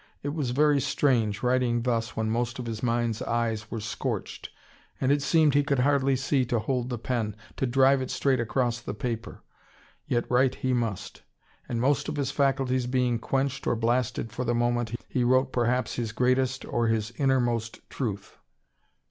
It was very strange, writing thus when most of his mind's eyes were scorched, and it seemed he could hardly see to hold the pen, to drive it straight across the paper. Yet write he must. And most of his faculties being quenched or blasted for the moment, he wrote perhaps his greatest, or his innermost, truth.